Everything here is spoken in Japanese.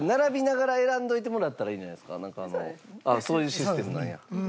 そういうシステムなんや。